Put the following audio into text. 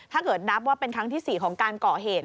ถ้าเกิดนับว่าเป็นครั้งที่๔ของการก่อเหตุ